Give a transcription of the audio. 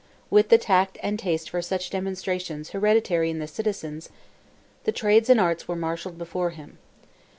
With the tact and taste for such demonstrations hereditary in the citizens, the trades and arts were marshalled before him.